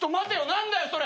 何だよそれ！